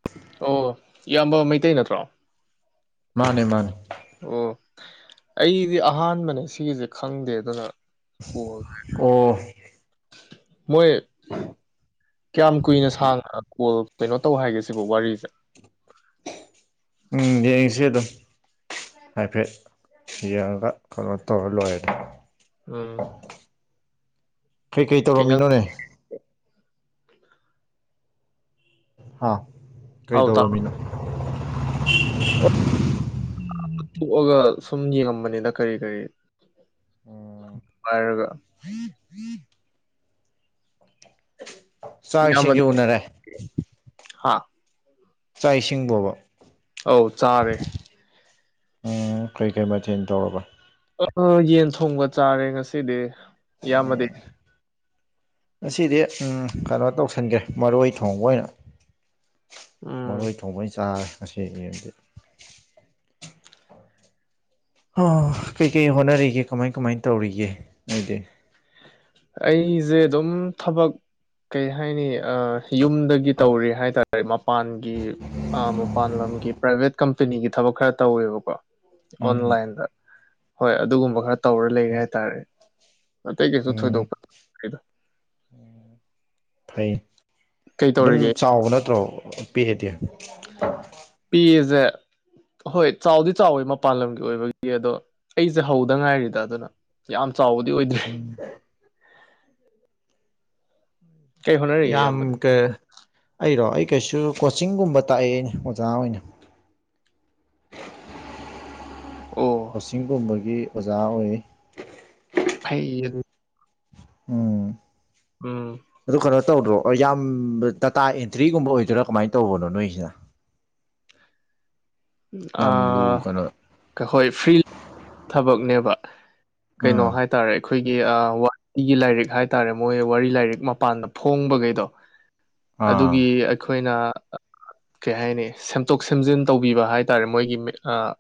[unintelligible] ꯑꯣ ꯏꯌꯥꯝꯕ ꯃꯩꯇꯩ ꯅꯠꯇ꯭ꯔꯣ꯫ ꯃꯥꯅꯦ ꯃꯥꯅꯦ꯫ ꯑꯣ ꯑꯩꯗꯤ ꯑꯍꯥꯟꯕꯅꯦ ꯁꯤꯒꯤꯁꯦ ꯈꯪꯗꯦ ꯑꯗꯨꯅ ꯑꯣ [unintelligible] ꯃꯣꯏ- ꯀꯌꯥꯝ ꯀꯨꯏꯅ ꯁꯥꯡꯅ ꯀꯣꯜ ꯀꯩꯅꯣ ꯇꯧ ꯍꯥꯏꯒꯦ ꯁꯤꯕꯨ ꯋꯥꯔꯤꯁꯦ꯫ ꯎꯝ ꯌꯦꯡꯁ‌ꯦ ꯑꯗꯨꯝ ꯍꯥꯏꯐꯦꯠ ꯌꯦꯡꯉꯒ ꯀꯩꯅꯣ ꯇꯧꯔ ꯂꯣꯏꯔꯦꯗ ꯎꯝ ꯀꯩꯀꯩ ꯀꯩꯖꯥꯡ ꯇꯧꯔꯝꯃꯤꯅꯣꯅꯦ꯫ [inaudible] ꯍꯥ ꯀꯩ ꯇꯥꯎ ꯗꯧꯔꯝꯃꯤꯅꯣ꯫ [unintelligible] ꯊꯣꯛꯑꯒ ꯁꯨꯝ ꯌꯦꯡꯉꯝꯕꯅꯤꯗ ꯀꯔꯤ ꯀꯔ ꯎꯝ ꯄꯥꯏꯔꯒ ꯆꯥꯛ ꯏꯁꯤꯡꯗꯤ ꯎꯅꯔꯦ ꯍꯥꯥ ꯆꯥꯛ ꯏꯁꯤꯡꯕꯣꯕ ꯑꯧ ꯆꯥꯔꯦ ꯎꯝ ꯀꯩ ꯀꯩ ꯃꯊꯦꯜ ꯇꯧꯔꯕ ꯑꯥ ꯑꯥ ꯌꯦꯟ ꯊꯣꯡꯕ ꯆꯥꯔꯦ ꯉꯁꯤꯗꯤ ꯏꯌꯥꯝꯕꯗꯤ ꯉꯁꯤꯗꯤ ꯎꯝ ꯀꯩꯅꯣ ꯇꯧꯁꯟꯒ꯭ꯔꯦ ꯃꯔꯣꯏ ꯊꯣꯡꯕ ꯑꯣꯏꯅ ꯎꯝ ꯃꯔꯣꯏ ꯊꯣꯡꯕ ꯑꯣꯏꯅ ꯆꯥꯔꯦ ꯉꯁꯤ ꯑꯌꯨꯛꯌꯨꯛꯇꯤ ꯑ ꯀꯩꯀꯩ ꯍꯣꯠꯅꯔꯤꯒꯦ ꯀꯃꯥꯏ ꯀꯃꯥꯏ ꯇꯧꯔꯤꯒꯦ ꯅꯣꯏꯗꯤ ꯑꯩꯖꯦ ꯑꯗꯨꯝ ꯊꯕꯛ ꯀꯩ ꯍꯥꯏꯅꯤ ꯑ ꯌꯨꯝꯗꯒꯤ ꯇꯧꯔꯤ ꯍꯥꯏꯇꯥꯔꯦ ꯀꯔꯤ ꯃꯄꯥꯟꯒꯤ ꯑ ꯃꯄꯥꯟ ꯂꯝꯒꯤ ꯄ꯭ꯔꯥꯏꯚꯦꯠ ꯀꯝꯄꯦꯅꯤꯒꯤ ꯊꯕꯛ ꯈꯔ ꯇꯧꯋꯦꯕꯀꯣ ꯎꯝ ꯑꯣꯟꯂꯥꯏꯟꯗ ꯍꯣꯏ ꯑꯗꯨꯒꯨꯝꯕ ꯈꯔ ꯇꯧꯔ ꯂꯩꯔꯦ ꯍꯥꯏꯇꯥꯔꯦ꯫ ꯑꯇꯩ ꯀꯩꯁꯨ ꯎꯝ ꯊꯣꯏꯗꯣꯛꯄ ꯐꯩ ꯀꯩ ꯑꯗꯨꯝ ꯇꯧꯔꯤꯒꯦ ꯆꯥꯎꯕ ꯅꯠꯇ꯭ꯔꯣ ꯄꯤꯛ ꯑꯦꯗꯤ ꯄꯤꯌꯦꯖꯦ ꯍꯣꯏ ꯆꯥꯎꯗꯤ ꯆꯥꯎꯌꯦ ꯃꯄꯥꯟ ꯂꯝꯒꯤ ꯑꯣꯏꯕꯒꯤ ꯑꯗꯣ ꯑꯩꯁꯦ ꯍꯧꯗ ꯉꯥꯏꯔꯤꯗ ꯑꯗꯨꯅ ꯌꯥꯝ ꯆꯥꯎꯕꯗꯤ ꯑꯣꯏꯗ꯭ꯔꯤ ꯎꯝ ꯀꯩ ꯍꯣꯠꯅꯔꯤꯒꯦ ꯌꯥꯝ ꯏꯌꯥꯝꯕꯗꯤ ꯀ ꯑꯩꯔꯣ ꯑꯩ ꯀꯩꯁꯨ ꯀꯣꯆꯤꯡꯒꯨꯝꯕ ꯇꯥꯛꯑꯦꯅꯦ ꯑꯣꯖꯥ ꯑꯣꯏꯅ [inaudible] ꯑꯣ ꯀꯣꯆꯤꯡꯒꯨꯝꯕꯒꯤ ꯑꯣꯖꯥ ꯑꯣꯏ [unintelligible] ꯎꯝ ꯎꯝ ꯑꯗꯨ ꯀꯩꯅꯣ ꯇꯧꯗ꯭ꯔꯣ ꯑꯣ ꯌꯥꯝ ꯗꯇꯥ ꯑꯦꯟꯇ꯭ꯔꯤꯒꯨꯝꯕ ꯑꯣꯏꯗꯣꯏꯔꯥ ꯀꯃꯥꯏꯅ ꯇꯧꯕꯅꯣ ꯅꯣꯏꯁꯤꯅ ꯌꯥꯝ ꯂꯨ ꯀꯩꯅꯣ ꯑꯥ ꯍꯣꯏ ꯐ꯭ꯔꯤ ꯊꯕꯛꯅꯦꯕ ꯀꯩꯅꯣ ꯎꯝ ꯍꯥꯏꯇꯥꯔꯦ ꯑꯩꯈꯣꯏꯒꯤ ꯑꯥ ꯋꯥꯔꯤꯒꯤ ꯂꯥꯏꯔꯤꯛ ꯍꯥꯏꯇꯥꯔꯦ ꯃꯣꯏ ꯋꯥꯔꯤ ꯂꯥꯏꯔꯤꯛ ꯃꯄꯥꯟꯗ ꯐꯣꯡꯕꯒꯩꯗꯣ ꯑꯥ ꯑꯗꯨꯒꯤ ꯑꯩꯈꯣꯏꯅ ꯀꯩ ꯍꯥꯏꯅꯤ ꯁꯦꯝꯇꯣꯛ ꯁꯦꯝꯖꯤꯟ ꯇꯧ ꯕꯤꯕ ꯍꯥꯏꯇꯥꯔꯦ ꯃꯣꯏꯒꯤ ꯃꯦ ꯑꯥ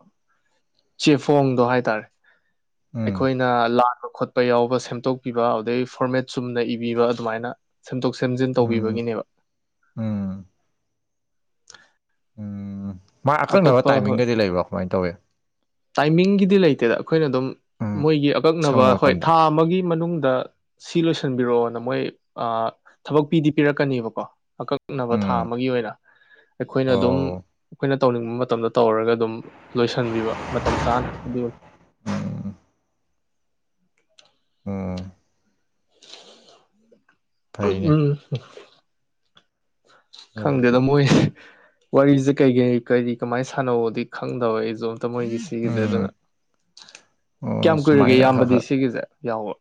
ꯆꯦꯐꯣꯡꯗꯣ ꯍꯥꯏꯇꯥꯔꯦ ꯎꯝ ꯑꯩꯈꯣꯏ ꯅ ꯂꯥꯟꯕ ꯈꯣꯠꯄ ꯌꯥꯎꯕ ꯁꯦꯝꯗꯣꯛꯄꯤꯕ ꯑꯗꯨꯗꯩ ꯐꯣꯔꯃꯦꯠ ꯆꯨꯝꯅ ꯏꯕꯤꯕ ꯑꯗꯨꯃꯥꯏꯅ ꯁꯦꯝꯗꯣꯛ ꯁꯦꯝꯖꯤꯟ ꯎꯝ ꯇꯧꯕꯤꯕꯒꯤꯅꯦꯕ ꯎꯝ ꯎꯝ ꯃꯥ ꯑꯀꯛꯅꯕ ꯑꯇꯣꯞꯄ ꯍꯣꯏ ꯇꯥꯏꯃꯤꯡꯒꯗꯤ ꯂꯩꯕ꯭ꯔꯣ ꯀꯃꯥꯏꯟ ꯇꯧꯋꯤ ꯇꯥꯏꯃꯤꯡꯒꯤꯗꯤ ꯂꯩꯇꯦꯗ ꯑꯩꯈꯣꯏꯅ ꯑꯗꯨꯝ ꯎꯝ ꯃꯣꯏꯒꯤ ꯑꯀꯛꯅꯕ ꯑꯁꯪꯕ ꯍꯣꯏ ꯃꯇꯝꯗ ꯊꯥ ꯑꯃꯒꯤ ꯃꯅꯨꯡꯗ ꯁꯤ ꯂꯣꯏꯁꯟꯕꯤꯔꯛꯑꯣꯅ ꯃꯣꯏ ꯑ ꯊꯕꯛ ꯄꯤꯗꯤ ꯄꯤꯔꯛꯀꯅꯦꯕꯀꯣ ꯑꯀꯛ ꯑꯀꯛꯅꯕ ꯊꯥ ꯎꯝ ꯑꯃꯒꯤ ꯑꯣꯏꯅ ꯑꯩꯈꯣꯏꯅ ꯑꯗꯨꯝ ꯑꯣ ꯑꯩꯈꯣꯏꯅ ꯇꯧꯅꯤꯡꯕ ꯃꯇꯝꯗ ꯇꯧꯔꯒ ꯑꯗꯨꯝ ꯂꯣꯏꯁꯤꯟꯕꯤꯕ ꯃꯇꯝ ꯆꯥꯅ ꯑꯗꯨꯒ ꯎꯝ ꯎꯝ [inaudible] ꯐꯩꯅꯦ [unintelligible] ꯑꯗꯨꯗꯤ ꯈꯪꯗꯦꯗ ꯃꯣꯏꯖꯦ ꯋꯥꯔꯤꯖꯦ ꯀꯩ ꯀꯩ ꯀꯔꯤ ꯀꯃꯥꯏꯟ ꯁꯥꯟꯅꯧꯑꯗꯤ ꯈꯪꯗꯕ ꯑꯩꯖꯨ ꯑꯝꯇ ꯃꯣꯏꯖꯦ ꯁꯤꯡꯒꯤꯖꯦꯗꯣ ꯎꯝ ꯑꯣ ꯀꯌꯥꯝ ꯀꯨꯏꯔꯒꯦ ꯁꯨꯃꯥꯏꯅ ꯈꯔ ꯏꯌꯥꯝꯕꯗꯤ ꯈꯔ ꯁꯤꯒꯤꯖꯦ ꯌꯥꯎꯕ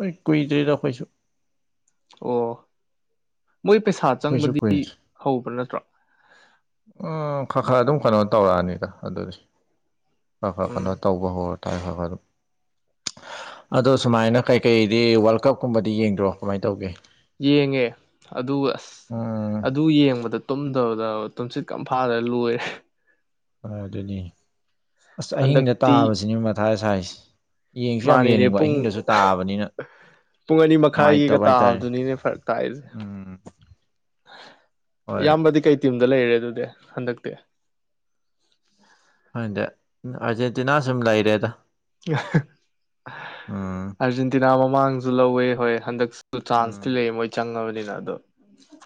ꯍꯣꯏ ꯀꯨꯏꯗ꯭ꯔꯤꯗ ꯑꯈꯣꯏꯁꯨ ꯑꯣ ꯃꯣꯏ ꯄꯩꯁꯥ ꯑꯩꯈꯣꯏꯁꯨ ꯆꯪꯕꯗꯤ ꯀꯨꯏꯗ꯭ꯔꯤ ꯍꯧꯕ ꯅꯠꯇ꯭ꯔꯣ ꯎꯝ ꯈꯥ ꯈꯥ ꯑꯗꯨꯝ ꯀꯩꯅꯣ ꯇꯧꯔꯛꯑꯅꯤꯗ ꯑꯗꯨꯗꯤ ꯈꯔ ꯈꯔ ꯎꯝ ꯀꯩꯅꯣ ꯇꯧ [unintelligible] ꯑꯗꯣ ꯁꯨꯃꯥꯏꯅ ꯀꯩꯀꯩꯗꯤ ꯋꯥꯔꯜ ꯀꯞꯀꯨꯝꯕꯗꯤ ꯌꯦꯡꯗ꯭ꯔꯣ ꯀꯃꯥꯏꯟ ꯇꯧꯒꯦ ꯌꯦꯡꯉꯦ ꯑꯗꯨ ꯑꯁ ꯎꯝ ꯑꯗꯨ ꯌꯦꯡꯕꯗ ꯇꯨꯝꯗꯕꯗꯕ ꯇꯨꯝꯁꯤꯠꯀ ꯑꯝ ꯐꯥꯗ ꯂꯣꯏꯔꯦ ꯑ ꯑꯗꯨꯅꯤ ꯑꯁ ꯑꯍꯤꯡꯗ ꯍꯟꯗꯛꯇꯤ ꯇꯥꯕꯁꯤꯅꯤ ꯃꯊꯥ ꯁꯥꯏꯁꯦ ꯌꯦꯡꯖꯨ ꯌꯥꯝ ꯃꯥꯅꯤꯅꯦ ꯌꯦꯡꯅꯤꯡꯕ ꯄꯨꯡ ꯑꯍꯤꯡꯗꯖꯨ ꯇꯥꯕꯅꯤꯅ ꯄꯨꯡ ꯑꯅꯤ ꯃꯈꯥꯏꯒꯤꯒ ꯅꯨꯡꯉꯥꯏꯇꯕ ꯍꯥꯏꯇꯥꯔꯦ ꯇꯥꯕꯗꯨꯅꯤꯅꯦ ꯐꯔꯛ ꯇꯥꯛꯏꯖꯦ ꯎꯝ ꯍꯣꯏ ꯏꯌꯥꯝꯕꯗꯤ ꯀꯩ ꯇꯤꯝꯗ ꯂꯩꯔꯦ ꯑꯗꯨꯗꯤ ꯍꯟꯗꯛꯇꯤ ꯈꯟꯗꯦ ꯎꯝ ꯑꯥꯔꯖꯦꯟꯇꯤꯅꯥ ꯁꯨꯝ ꯂꯩꯔꯦꯗ ꯎꯝ ꯑꯔꯖꯦꯟꯇꯤꯅꯥ ꯃꯃꯥꯡꯗꯖꯨ ꯂꯧꯋꯦ ꯍꯣꯏ ꯍꯟꯗꯛ ꯑꯗꯨ ꯆꯥꯟꯁꯇꯤ ꯎꯝ ꯂꯩ ꯃꯣꯏ ꯆꯪꯉꯕꯅꯤꯅ ꯑꯗꯨ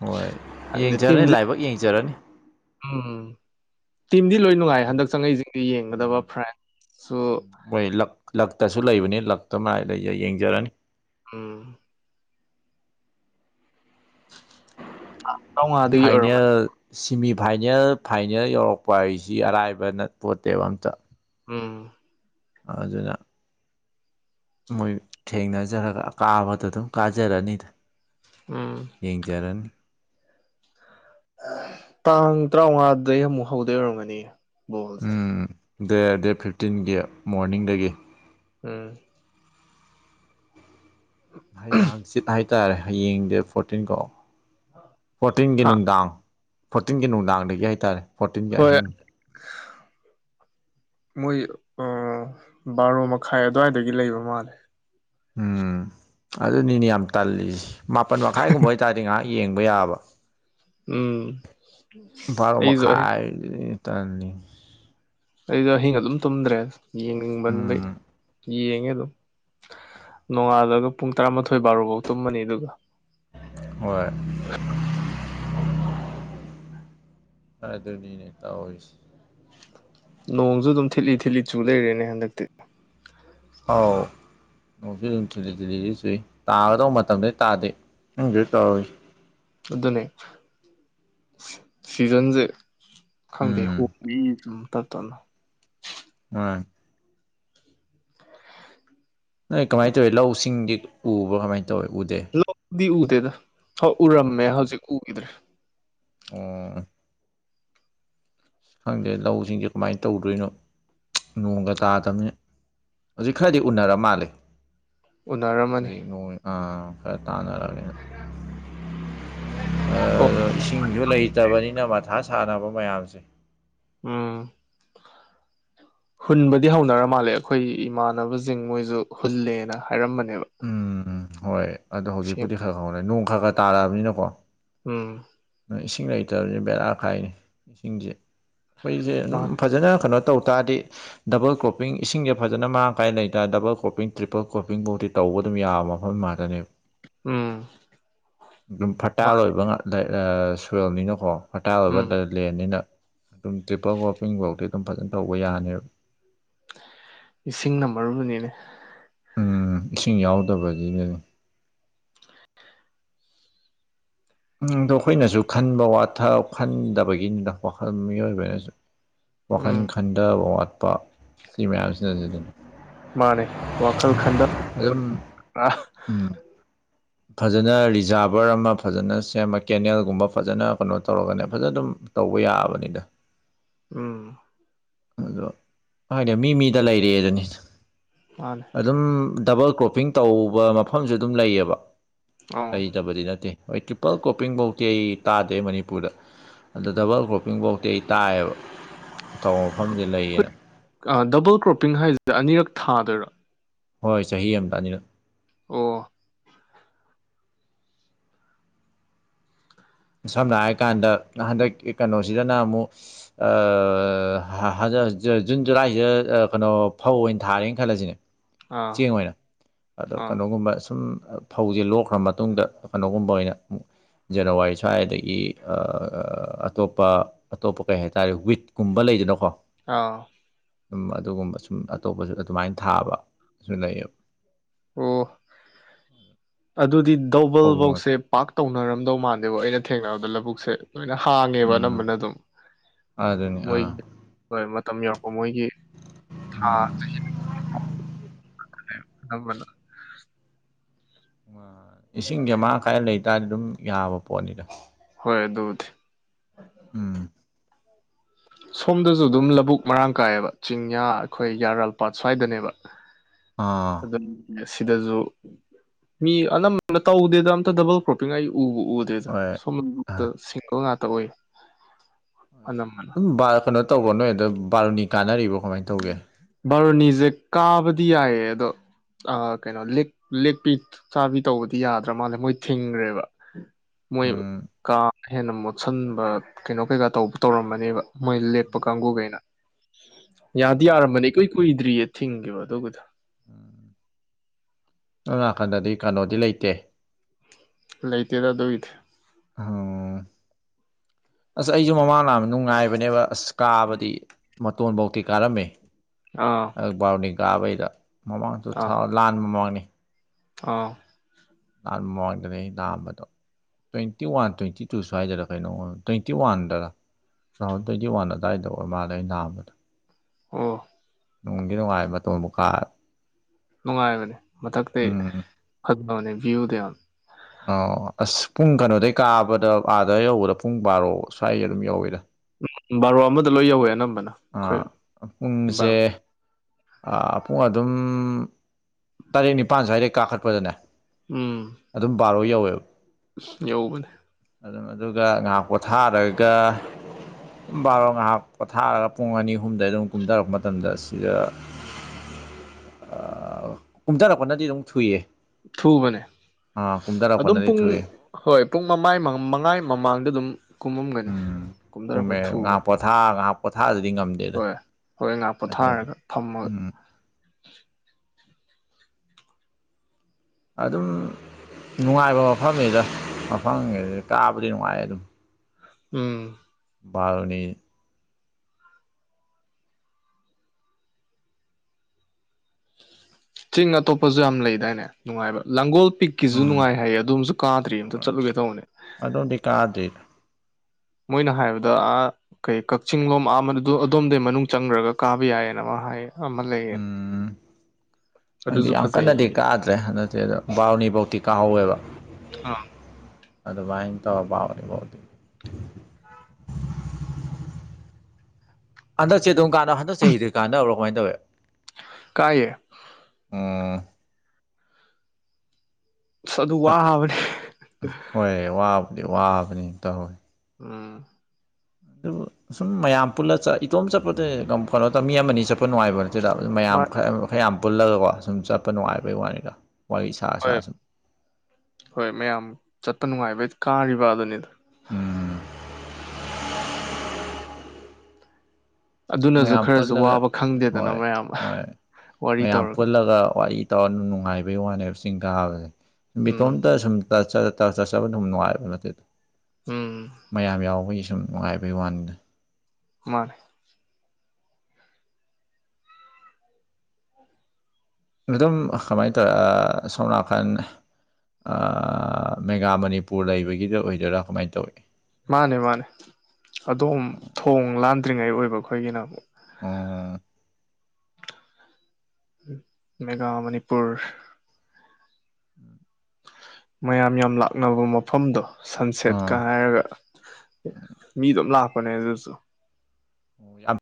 ꯍꯣꯏ ꯌꯦꯡꯖꯔꯅꯤ ꯂꯥꯏꯕꯛ ꯌꯦꯡꯖꯔꯅꯤ ꯎꯝ ꯇꯤꯝꯗꯤ ꯂꯣꯏ ꯅꯨꯡꯉꯥꯏ ꯍꯟꯗꯛ ꯆꯪꯉꯛꯏꯖꯤꯡꯖꯤ ꯌꯦꯡꯒꯗꯕ ꯎꯝ ꯐ꯭ꯔꯦꯟ ꯁꯨ ꯃꯣꯏ ꯂꯛ ꯂꯛꯇꯁꯨ ꯂꯩꯕꯅꯤ ꯂꯛꯇ ꯃꯥꯏ ꯂꯩ ꯌꯦꯡ ꯌꯦꯡꯖꯔꯅꯤ ꯎꯝ [unintelligible] ꯐꯥꯏꯅꯦꯜ ꯑꯣꯏꯔꯝꯃꯅꯤ ꯁꯤꯃꯤ ꯐꯥꯏꯅꯦꯜ ꯐꯥꯏꯅꯦꯜ ꯌꯧꯔꯛꯄ ꯍꯥꯏꯁꯤ ꯑꯔꯥꯏꯕ ꯅꯠꯄꯣꯠꯇꯦꯕ ꯑꯝꯇ ꯎꯝ ꯑꯗꯨꯅ ꯃꯣꯏ ꯊꯦꯡꯅꯖꯔꯒꯥ ꯑꯀꯥꯕꯗꯨꯅ ꯑꯗꯨꯝ ꯀꯥꯖꯔꯅꯤꯗꯥ ꯎꯝ ꯌꯦꯡꯖꯔꯟ ꯇꯥꯡ ꯇꯔꯥꯃꯉꯥꯗꯩ ꯑꯃꯨꯛ ꯍꯧꯗꯣꯏ ꯑꯣꯏꯔꯝꯒꯅꯤ ꯕꯣꯜꯁꯦ ꯗꯦꯔ ꯗꯦꯠ ꯐꯤꯞꯇꯤꯟꯒꯤ ꯃꯣꯔꯅꯤꯡꯗꯒꯤ ꯎꯝ ꯍꯌꯦꯡ ꯍꯥꯡꯆꯤꯠ ꯍꯥꯏꯇꯥꯔꯦ ꯍꯌꯦꯡ ꯗꯦꯠ ꯐꯣꯔꯇꯤꯟ ꯀꯣ ꯐꯣꯔꯇꯤꯟꯒꯤ ꯍꯥ ꯅꯨꯡꯗꯥꯡ ꯐꯣꯔꯇꯤꯟꯒꯤ ꯅꯨꯡꯗꯥꯡꯗꯒꯤ ꯍꯥꯏꯇꯥꯔꯦ ꯐꯣꯔꯇꯤꯟꯒꯤ ꯍꯣꯏ ꯑꯍꯤꯡ ꯃꯣꯏ ꯑ ꯕꯥꯔꯣ ꯃꯈꯥꯏ ꯑꯗꯨꯋꯥꯏꯗꯒꯤ ꯂꯩꯕ ꯃꯥꯜꯂꯦ ꯎꯝ ꯑꯗꯨꯅꯤꯅꯦ ꯌꯥꯝ ꯇꯜꯂꯤꯖꯦ ꯃꯥꯄꯟ ꯃꯈꯥꯏꯒꯨꯝꯕ ꯑꯣꯏꯇꯥꯔꯗꯤ ꯉꯥꯏꯍꯥꯛ ꯌꯦꯡꯕ ꯌꯥꯕ ꯎꯝ ꯕꯥꯔꯣ ꯑꯩꯁꯨ ꯑꯩ ꯃꯈꯥꯏ ꯖꯤꯅꯤꯅꯦ ꯇꯜꯂꯤꯖꯩ ꯑꯩꯗꯣ ꯑꯍꯤꯡ ꯑꯗꯨꯝ ꯇꯨꯝꯗ꯭ꯔꯦ ꯌꯦꯡꯅꯤꯡꯃꯟꯕꯩ ꯎꯝ ꯌꯦꯡꯉꯦ ꯑꯗꯨꯝ ꯅꯣꯡꯉꯥꯜꯂꯒꯥ ꯄꯨꯡ ꯇꯔꯥꯃꯥꯊꯣꯏ ꯕꯥꯔꯣ ꯐꯧ ꯇꯨꯝꯃꯅꯤ ꯑꯗꯨꯒꯥ ꯍꯣꯏ ꯑꯗꯨꯅꯤꯅꯦ ꯇꯧꯔꯤꯁꯦ ꯅꯣꯡꯖꯨ ꯑꯗꯨꯝ ꯊꯤꯠꯂꯤ ꯊꯤꯠꯂꯤ ꯆꯨ ꯂꯩꯔꯦꯅꯦ ꯍꯟꯗꯛꯇꯤ ꯑꯥꯎ ꯅꯣꯡꯁꯨ ꯑꯗꯨꯝ ꯊꯤꯂꯤ ꯊꯤꯜꯂꯤꯗꯤ ꯆꯨꯏ ꯇꯥꯒꯗꯧꯕ ꯃꯇꯝꯗꯩ ꯇꯥꯗꯦ ꯈꯪꯗ꯭ꯔꯦ ꯇꯧꯔꯤꯁꯦ ꯑꯗꯨꯅꯦ ꯁꯤꯖꯟꯖꯦ ꯈꯪꯗꯦ ꯎꯝ ꯍꯣꯄꯤ ꯇꯝ ꯇꯝꯅ ꯑꯥ ꯅꯣꯏ ꯎꯝ ꯀꯃꯥꯏꯅ ꯇꯧꯋꯤ ꯂꯧ ꯁꯤꯡꯗꯤ ꯎꯕ꯭ꯔꯣ ꯀꯃꯥꯏꯅ ꯇꯧꯋꯤ ꯎꯗꯦ ꯂꯧꯗꯤ ꯎꯗꯦꯗꯥ ꯍꯣꯏ ꯎꯔꯝꯃꯦ ꯍꯧꯖꯤꯛ ꯎꯒꯤꯗ꯭ꯔꯦ ꯑꯣ ꯈꯪꯗꯦ ꯂꯧꯁꯤꯡꯖꯦ ꯀꯃꯥꯏꯅ ꯇꯧꯗꯣꯏꯅꯣ ꯅꯣꯡꯒꯥ ꯇꯥꯗꯕꯅꯤ ꯍꯧꯖꯤꯛ ꯈꯔꯗꯤ ꯎꯅꯔ ꯃꯥꯜꯂꯦ ꯎꯅꯔꯝꯃꯅꯤ ꯍꯧꯖꯤꯛ ꯅꯣꯡ ꯑꯥ ꯈꯔ ꯇꯥꯟꯅꯔꯝꯅꯦ ꯑꯣ ꯑꯥ ꯏꯁꯤꯡꯖꯨ ꯂꯩꯇꯕꯅꯤꯅ ꯃꯊꯥ ꯁꯥꯟꯅꯕ ꯃꯌꯥꯝꯁꯦ ꯎꯝ ꯍꯨꯟꯕꯗꯤ ꯍꯧꯅꯔ ꯃꯥꯜꯂꯦ ꯑꯩꯈꯣꯏ ꯏꯃꯥꯟꯅꯕꯁꯤꯡ ꯃꯣꯏꯁꯨ ꯍꯨꯜꯂꯦꯅ ꯍꯥꯏꯔꯝꯕꯅꯦꯕ ꯎꯝ ꯍꯣꯏ ꯑꯗꯣ ꯁꯦꯝ ꯍꯧꯖꯤꯛꯄꯨꯗꯤ ꯈꯔ ꯈꯔ ꯍꯧꯔꯦ ꯅꯣꯡ ꯈꯔ ꯈꯔ ꯇꯥꯔꯛꯑꯕꯅꯤꯅꯀꯣ ꯎꯝ ꯏꯁꯤꯡ ꯂꯩꯇꯕꯖꯦ ꯕꯦꯔꯥꯈꯥꯏꯅꯤ ꯏꯁꯤꯡꯖꯦ ꯑꯩꯈꯣꯏꯖꯦ ꯑꯗꯨꯝ ꯃꯥꯅꯦ ꯐꯖꯅ ꯀꯩꯅꯣ ꯇꯧ ꯇꯥꯔꯗꯤ ꯗꯕꯜ ꯀ꯭ꯔꯣꯞꯄꯤꯡ ꯏꯁꯤꯡꯖꯦ ꯐꯖꯅ ꯃꯔꯥꯡ ꯀꯥꯏ ꯂꯩ ꯇꯥꯔꯗꯤ ꯗꯕꯜ ꯀ꯭ꯔꯣꯞꯄꯤꯡ ꯇ꯭ꯔꯤꯄꯜ ꯀ꯭ꯔꯣꯞꯄꯤꯡꯕꯧꯗꯤ ꯇꯧꯕ ꯑꯗꯨꯝ ꯌꯥꯕ ꯃꯐꯝ ꯃꯅꯥꯔꯦ ꯎꯝ ꯑꯗꯨꯝ ꯐꯔꯇꯥꯏꯜ ꯃꯥꯅꯦ ꯑꯣꯏꯕ ꯁꯣꯏꯜꯅꯤꯅꯀꯣ ꯐꯔꯇꯥꯏꯜ ꯑꯣꯏꯕ ꯎꯝ ꯂꯦꯟꯅꯤꯅ ꯑꯗꯨꯝ ꯇ꯭ꯔꯤꯄꯜ ꯋꯣꯄꯤꯡ ꯕꯥꯎꯗꯤ ꯑꯗꯨꯝ ꯐꯖꯅ ꯇꯧꯕ ꯌꯥꯅꯦꯕ ꯏꯁꯤꯡꯅ ꯃꯔꯨꯅꯤꯅꯦ ꯎꯝ ꯏꯁꯤꯡ ꯌꯥꯎꯗꯥꯕꯒꯤꯅꯦ ꯎꯝ ꯑꯗꯣ ꯑꯩꯈꯣꯏꯅꯖꯨ ꯈꯟꯕ ꯋꯥꯊ ꯈꯟꯗꯥꯕꯒꯤꯅꯤꯗꯥ ꯀꯣ ꯑꯗꯨꯝ ꯃꯤꯑꯣꯏꯕꯖꯦ ꯋꯥꯈꯟ ꯎꯝ ꯈꯟꯗꯕ ꯋꯥꯠꯄ ꯁꯤ ꯃꯌꯥꯝꯁꯤꯅ ꯑꯁꯤ ꯑꯗꯨꯅꯤ ꯃꯥꯅꯦ ꯋꯥꯈꯜ ꯈꯟꯗꯥ ꯑꯗꯨꯝ [unintelligible] ꯎꯝ ꯐꯖꯅ ꯔꯤꯖꯥꯚꯔ ꯑꯃ ꯐꯖꯅ ꯁꯦꯝꯃꯥ ꯀꯦꯅꯦꯜꯒꯨꯝꯕ ꯐꯖꯅ ꯀꯩꯅꯣ ꯇꯧꯔꯒꯅꯦ ꯐꯖꯅ ꯑꯗꯨꯝ ꯇꯧꯕ ꯌꯥꯕꯅꯤꯗ ꯎꯝ ꯑꯗꯣ ꯍꯥꯏꯗꯤ ꯃꯤ ꯃꯤꯗ ꯂꯩꯔꯦ ꯑꯗꯨꯅꯤ ꯃꯥꯅꯦ ꯑꯗꯨꯝ ꯗꯕꯜ ꯀ꯭ꯔꯣꯞꯄꯤꯡ ꯇꯧꯕ ꯃꯐꯝꯁꯨ ꯑꯗꯨꯝ ꯂꯩꯌꯦꯕ ꯂꯩꯇꯕꯗꯤ ꯅꯠꯇꯦ ꯍꯣꯏ ꯇ꯭ꯔꯤꯄꯜ ꯀꯣꯄꯤꯡꯚꯧꯗꯤ ꯑꯩ ꯇꯥꯗꯦ ꯃꯅꯤꯄꯨꯔꯗ ꯑꯗꯨ ꯗꯕꯜ ꯀ꯭ꯔꯣꯞꯄꯤꯡ ꯚꯧꯗꯤ ꯑꯩ ꯇꯥꯏꯌꯦꯕ ꯑꯇꯧꯕ ꯃꯐꯝꯗꯤ ꯂꯩꯌꯦꯅ ꯑꯥ ꯗꯕꯜ ꯀ꯭ꯔꯣꯞꯄꯤꯡ ꯍꯥꯏꯖꯦ ꯑꯅꯤꯔꯛ ꯊꯥꯗꯣꯏꯔꯥ ꯍꯣꯏ ꯆꯍꯤ ꯑꯃꯗ ꯑꯅꯤꯔꯛ ꯑꯣ ꯁꯝꯅ ꯍꯥꯏꯔ ꯀꯥꯟꯗꯥ ꯍꯟꯗꯛꯀꯤ ꯀꯩꯅꯣꯁꯤꯗꯥꯅ ꯑꯃꯨꯛ ꯍꯟꯗꯛ ꯖꯨꯟꯡ ꯖꯨꯂꯥꯏꯖꯦ ꯑꯥ ꯀꯩꯅꯣ ꯐꯧ ꯑꯣꯏꯅ ꯊꯥꯔꯦꯅ ꯈꯜꯂꯁꯤꯅꯦ ꯑꯥ ꯆꯦꯡ ꯑꯣꯏꯅ ꯑꯗꯣ ꯑꯥ ꯀꯩꯅꯣꯒꯨꯝꯕ ꯁꯨꯝ ꯐꯧꯖꯦ ꯂꯣꯛꯈ꯭ꯔ ꯃꯇꯨꯡꯗꯥ ꯀꯩꯅꯣꯒꯨꯝꯕ ꯑꯣꯏꯅ ꯖꯅꯋꯥꯔꯤ ꯁ꯭ꯋꯥꯏꯗꯥꯒꯤ ꯑꯇꯣꯞꯄ ꯑꯇꯣꯞꯄ ꯀꯩ ꯍꯥꯏꯇꯥꯔꯦ ꯋꯤꯠꯀꯨꯝꯕ ꯂꯩꯗꯅꯀꯣ ꯑꯥ ꯎꯝ ꯑꯗꯨꯒꯨꯝꯕ ꯁꯨꯝ ꯑꯇꯣꯞꯄꯁꯨ ꯑꯗꯨꯃꯥꯏꯅ ꯊꯥꯕꯁꯨ ꯂꯩꯌꯦꯕ ꯑꯣ ꯑꯗꯨꯗꯤ ꯐꯧꯒꯤ ꯃꯍꯨꯠ ꯇꯧꯕꯜꯚꯧꯁꯦ ꯄꯥꯛ ꯇꯧꯅꯔꯝꯗꯧ ꯃꯥꯟꯗꯦꯕꯨ ꯑꯩꯅ ꯊꯦꯡꯅꯕꯗ ꯂꯧꯕꯨꯛꯁꯦ ꯂꯣꯏꯅ ꯍꯥꯡꯉꯦꯕ ꯎꯝ ꯑꯅꯝꯕꯅ ꯑꯗꯨꯝ ꯑꯗꯨꯅꯤ ꯑꯥ ꯃꯣꯏꯒꯤ ꯍꯣꯏ ꯃꯇꯝ ꯌꯧꯔꯛꯄ ꯃꯣꯏꯒꯤ ꯊꯥ ꯆꯍꯤ ꯑꯅꯝꯕꯅ ꯏꯁꯤꯡꯖꯦ ꯃꯔꯥꯡ ꯀꯥꯏ ꯂꯩꯇꯥꯔꯗꯤ ꯑꯗꯨꯝ ꯌꯥꯕ ꯄꯣꯠꯅꯤꯗ ꯍꯣꯏ ꯑꯗꯨꯕꯨꯗꯤ ꯎꯝ ꯁꯣꯝꯗꯖꯨ ꯑꯗꯨꯝ ꯂꯕꯨꯛ ꯃꯔꯥꯡ ꯀꯥꯏꯌꯦꯕ ꯆꯤꯡꯌꯥ ꯑꯩꯈꯣꯏ ꯌꯥꯔꯥꯜꯄꯥꯥꯠ ꯁ꯭ꯋꯥꯏꯗꯅꯦꯕ ꯑꯥ ꯁꯤꯗꯖꯨ ꯃꯤ ꯑꯅꯝꯕꯅ ꯇꯧꯗꯦꯗ ꯑꯝꯇ ꯗꯕꯜ ꯀ꯭ꯔꯣꯞꯄꯤꯡ ꯑꯩ ꯎꯕꯨ ꯎꯗꯦ ꯗꯦꯗ ꯍꯣꯏ ꯁꯣꯝ ꯑꯥ ꯁꯤꯡꯒꯜ ꯉꯥꯛꯇ ꯑꯣꯏꯌꯦ ꯍꯣꯏ ꯑꯗꯨꯝ ꯕꯥꯜ ꯀꯩꯅꯣ ꯇꯧꯕ꯭ꯔꯣ ꯅꯣꯏ ꯑꯗ ꯕꯥꯔꯨꯅꯤ ꯀꯥꯟꯅꯔꯤꯕꯣ ꯀꯃꯥꯏ ꯇꯧꯒꯦ ꯕꯥꯔꯣꯅꯤꯖꯦ ꯀꯥꯕꯗꯤ ꯌꯥꯏꯌꯦ ꯑꯗꯣ ꯑ ꯀꯩꯅꯣ ꯂꯦꯛ ꯂꯦꯛꯄꯤꯠ ꯆꯥꯕꯤ ꯇꯧꯕꯗꯤ ꯌꯥꯗ꯭ꯔꯥ ꯃꯥꯜꯂꯦ ꯃꯣꯏ ꯊꯤꯡꯒ꯭ꯔꯦꯕ ꯃꯣꯏ ꯎꯝ ꯀꯥ ꯑꯃ ꯍꯦꯟꯅ ꯃꯣꯠꯁꯟꯕ ꯀꯩꯅꯣ ꯀꯩꯀꯥ ꯇꯧꯕ ꯇꯧꯔꯝꯃꯅꯤꯕ ꯃꯣꯏ ꯂꯦꯛꯄ ꯀꯥꯡꯀꯨꯒꯩꯅ ꯌꯥꯗꯤ ꯎꯝ ꯌꯥꯔꯝꯕꯅꯤ ꯏꯀꯨꯏ ꯀꯨꯏꯗ꯭ꯔꯤꯌꯦ ꯊꯤꯡꯒꯤꯕꯦ ꯑꯗꯨꯒꯤꯗꯣ ꯎꯝ ꯑꯗꯣꯝ ꯅꯥꯀꯟꯗꯗꯤ ꯀꯩꯅꯣꯗꯤ ꯂꯩꯇꯦ ꯂꯩꯇꯦꯗ ꯑꯗꯨꯒꯤꯗꯤ ꯎꯣ ꯑꯁ ꯑꯩꯖꯨ ꯃꯃꯥꯡ ꯂꯥꯛ ꯅꯨꯡꯉꯥꯏꯕꯅꯦꯕ ꯑꯁ ꯀꯥꯕꯗꯤ ꯃꯇꯣꯟꯕꯧꯗꯤ ꯀꯥꯔꯝꯃꯦ ꯑꯥ ꯕꯥꯔꯨꯅꯤ ꯀꯥꯕꯩꯗ ꯃꯃꯥꯡꯗ ꯇꯨ ꯑꯥ ꯊꯥꯎ ꯂꯥꯟꯕ ꯃꯃꯥꯡꯅꯤ ꯑꯥ ꯂꯥꯟ ꯃꯃꯥꯡꯗꯅꯦ ꯑꯩ ꯂꯥꯛꯑꯝꯕꯗꯣ ꯇ꯭ꯋꯦꯟꯇꯤ ꯋꯥꯟ ꯇ꯭ꯋꯦꯟꯇꯤ ꯇꯨ ꯁ꯭ꯋꯥꯗꯔꯥ ꯀꯩꯅꯣꯝ ꯑꯣꯢꯕꯅꯦ ꯇ꯭ꯋꯦꯟꯇꯤ ꯋꯥꯟꯗꯔꯥ ꯇꯨ ꯊꯥꯎꯖꯟ ꯇ꯭ꯋꯇꯤ ꯋꯥꯟ ꯑꯋꯥꯏꯗ ꯑꯣꯢ ꯃꯥꯜꯂꯦ ꯑꯩ ꯂꯥꯛꯑꯝꯕꯗꯣ ꯑꯣ ꯅꯨꯡꯗꯤ ꯅꯨꯡꯉꯥꯏ ꯃꯇꯣꯟꯕꯨ ꯀꯥ ꯅꯨꯡꯉꯥꯏꯕꯅꯦ ꯃꯊꯛꯇ ꯎꯝ ꯐꯪꯕꯅꯦ ꯚ꯭ꯌꯨꯗꯣ ꯌꯥꯝ ꯑꯣ ꯑꯁ ꯄꯨꯡ ꯀꯩꯅꯣꯗꯩ ꯀꯥꯕꯗ ꯑꯥꯗ ꯌꯧꯕꯗ ꯄꯨꯡ ꯕꯥꯔꯣ ꯁ꯭ꯋꯥꯏ ꯑꯗꯨꯝ ꯌꯧꯋꯤꯗ ꯎꯝ ꯕꯥꯔꯣ ꯑꯃꯗ ꯂꯣꯏ ꯌꯧꯋꯦ ꯑꯅꯝꯕꯅ ꯑꯩꯈꯣꯏ ꯑꯥ ꯄꯨꯡꯖꯦ ꯕꯥꯔꯣꯅꯤ ꯑꯥ ꯄꯨꯡ ꯑꯗꯨꯝ ꯇꯔꯦꯠ ꯅꯤꯄꯥꯟ ꯁ꯭ꯋꯥꯏꯗꯩ ꯀꯥꯈꯠꯄꯗꯅꯦ ꯎꯝ ꯑꯗꯨꯝ ꯄꯕꯥꯔꯣ ꯌꯧꯋꯦꯕ ꯌꯧꯎꯕꯅꯦ ꯑꯗꯨꯝ ꯑꯗꯨꯒ ꯉꯥꯍꯥꯛ ꯄꯣꯊꯥꯔꯒ ꯕꯥꯔꯣ ꯉꯍꯥꯛ ꯄꯣꯊꯥꯔꯒ ꯄꯨꯡ ꯑꯅꯤ ꯑꯍꯨꯝꯗꯩ ꯑꯗꯨꯝ ꯀꯨꯝꯊꯔꯛꯄ ꯃꯇꯝꯗ ꯁꯤꯗ [inaudible] ꯀꯨꯝꯊꯔꯛꯄꯅꯗꯤ ꯑꯗꯨꯝ ꯊꯨꯏꯌꯦ ꯊꯨꯕꯅꯦ ꯑꯥ ꯑꯗꯨꯝ ꯀꯨꯝꯊꯔꯛꯄꯅꯗꯤ ꯄꯨꯡ ꯊꯨꯏꯌꯦ ꯍꯣꯏ ꯄꯨꯡ ꯃꯃꯥꯏ ꯃꯉꯥꯏ ꯃꯃꯥꯡꯗ ꯑꯗꯨꯝ ꯀꯨꯝꯃꯝꯒꯅꯤ ꯀꯨꯝꯊꯔꯛꯄꯗ ꯊꯨꯕꯅꯤ ꯊꯥ ꯉꯥꯏꯍꯥꯛ ꯄꯣꯊꯥꯗꯔꯗꯤ ꯉꯝ ꯍꯣꯏ ꯍꯣꯏ ꯉꯥꯏꯥꯛ ꯄꯣꯊꯥꯔꯒ ꯐꯝꯃꯒ ꯎꯝ ꯑꯗꯨꯝ ꯅꯨꯡꯉꯥꯏꯕ ꯃꯐꯝꯅꯤꯗ ꯃꯐꯝꯒꯤꯗꯤ ꯀꯥꯕꯗꯤ ꯅꯨꯡꯉꯥꯏ ꯑꯗꯨꯝ ꯎꯝ ꯕꯔꯨꯅꯤ ꯆꯤꯡ ꯑꯇꯣꯞꯄꯁꯨ ꯌꯥꯝ ꯂꯩꯗꯥꯏꯅꯦ ꯅꯨꯡꯉꯥꯏꯕ ꯂꯥꯡꯒꯣꯜ ꯄꯤꯛ ꯀꯤꯁꯨ ꯎꯝ ꯅꯨꯡꯉꯥꯏ ꯍꯥꯏꯌꯦ ꯑꯗꫭꯝꯁꯨ ꯀꯥꯗ꯭ꯔꯤ ꯑꯝꯇ ꯍꯣꯏ ꯆꯠꯂꯨꯒꯦ ꯇꯧꯕꯅꯦ ꯑꯗꯣꯝꯗꯤ ꯀꯥꯗ꯭ꯔꯤ ꯃꯣꯏꯅ ꯍꯥꯏꯔꯕꯗ ꯑ ꯀꯩ ꯀꯛꯆꯤꯡ ꯂꯣꯝ ꯑꯗꯣꯝꯗꯩ ꯃꯅꯨꯡ ꯆꯪꯈ꯭ꯔꯒ ꯀꯥꯕ ꯌꯥꯏꯌꯦꯅ ꯑꯃ ꯍꯥꯏ ꯑꯃ ꯂꯩꯌꯦꯅ ꯈꯪꯗ‌ꯦ ꯌꯥꯝ ꯀꯟꯅꯗꯤ ꯐꯖꯩꯌꯦ ꯀꯥꯗ꯭ꯔꯦ ꯍꯟꯗꯛꯇꯤ ꯑꯗꯣ ꯕꯥꯎꯅꯤꯐꯧꯇꯤ ꯀꯥꯍꯧꯋꯦꯕ ꯑꯗꯨ ꯏ ꯇꯥꯎꯅꯤꯥꯎꯗꯤ [unintelligible] ꯑꯗꫭ ꯆ‌ꯦꯗꫭꯡ [unintelligible] ꯑꯗꯨꯝ ꯀꯥꯟꯅ ꯍꯟꯛ ꯆꯍꯤꯗꯤ ꯀꯥꯟꯅꯅꯕ꯭ꯔꯣ ꯀꯃꯅ ꯇꯧꯋꯦ ꯀꯥꯏꯌꯦ ꯎꯝ ꯑꯁ ꯑꯗꯨ ꯋꯥꯕꯅꯦ ꯍꯣꯏ ꯋꯥꯕꯨꯗꯤ ꯋꯥꯕꯅꯤ ꯇꯧꯋꯤ ꯎꯝ ꯑꯗꯨꯕꯨ ꯁꯨꯝ ꯃꯌꯥꯝ ꯄꯨꯜꯂ ꯆꯠ ꯏꯇꯣꯝ ꯆꯠꯄꯗ ꯉꯝꯞꫭꯠꯇ ꯃꯤ ꯑꯃꯅꯤ ꯆꯠꯄ ꯄ ꯅꯨꯡꯉꯥꯏꯕ ꯅꯠꯇ‌ꯦꯗ ꯃꯌꯥꯝ ꯃꯥ ꯈ ꯈꯔ ꯌꯥꯝ ꯄꯨꯜꯂꯒꯀꯣ ꯁꯨꯝ ꯆꯠ ꯄ ꯅꯨꯡꯉꯥꯏꯕꯩ ꯋꯥꯅꯤꯗ ꯋꯥꯔꯤ ꯁꯔꯥ ꯍꯣꯏ ꯁꯔꯥ ꯁꯨꯝ ꯍꯣꯏ ꯃꯌꯥꯝ ꯆꯠꯄ ꯅꯨꯡꯉꯥꯏꯕꯩ ꯀꯥꯔꯤꯕ ꯗꯨꯅꯤꯗ ꯎꯝ ꯑꯗꯨꯅꯁꯨ ꯃꯌꯥꯝ ꯈꯔꯁꯨ ꯄꯨꯜꯂꯒ ꯋꯥꯕ ꯈꯪꯗꯦꯗꯅ ꯍꯣꯏ ꯃꯌꯥꯝ ꯍꯣꯏ ꯋꯥꯔꯤ ꯃꯌꯥꯝ ꯇꯧꯔꯒ ꯄꯨꯜꯂꯒ ꯋꯥꯔꯤ ꯇꯧꯔ ꯅꯨꯡꯉꯥꯏꯕꯩ ꯋꯥꯅꯦꯕ ꯆꯤꯡ ꯀꯥꯕꯁꯦ ꯁꯨꯝ ꯎꯝ ꯕꯤꯇꯣꯝꯇ ꯁꯨꯝ ꯠ ꯇ [unintelligible] ꯆꯠ ꯆꯕ ꯑꯗꯨꯝ ꯅꯨꯡꯉꯥꯏꯕ ꯅꯠꯇꯦꯗ ꯎꯝ ꯃꯌꯥꯝ ꯌꯥꯎꯕꯒꯤ ꯁꯨꯝ ꯅꯨꯡꯉꯥꯏꯕꯩ ꯋꯥꯅꯤꯗ ꯃꯥꯅꯦ ꯑꯗꯨꯝ ꯀꯃꯥꯏꯅ ꯇꯧꯔꯦ ꯑꯥ ꯁꯣꯝꯅꯥꯀꯥꯟ ꯑꯥ ꯃꯦꯒꯥ ꯃꯅꯤꯄꯨꯔ ꯂꯩꯕꯒꯤꯗ ꯑꯣꯏꯗꯣꯏꯔꯥ ꯀꯃꯥꯏꯅ ꯇꯧꯏ ꯃꯥꯅꯦ ꯃꯥꯅꯦ ꯑꯗꯣꯝ ꯊꯣꯡ ꯂꯥꯟꯗ꯭ꯔꯤꯉꯩ ꯑꯣꯏꯕ ꯑꯩꯈꯣꯏꯒꯤꯅ ꯑꯃꯛ ꯑꯣ ꯃꯦꯒꯥ ꯃꯅꯤꯄꯨꯔ ꯃꯌꯥꯝ ꯌꯥꯝ ꯂꯥꯛꯅꯕ ꯃꯐꯝꯗꯣ ꯁꯟꯁꯦꯠꯀ ꯑꯣ ꯍꯥꯏꯔꯒ ꯃꯤ ꯑꯗꯨꯝ ꯂꯥꯛꯄꯅꯦ ꯑꯗꯨꯁꯨ ꯑꯣ ꯌꯥꯝ [unintelligible]